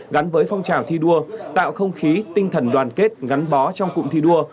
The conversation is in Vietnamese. gắn với phong trào thi đua tạo không khí tinh thần đoàn kết gắn bó trong cụm thi đua